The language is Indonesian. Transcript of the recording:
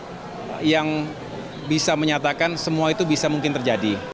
politik adalah seni yang bisa menyatakan semua itu bisa mungkin terjadi